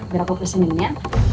biar aku pesenin ya